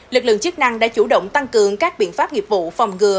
lực lượng chức năng đã chủ động tăng cường các biện pháp nghiệp vụ phòng ngừa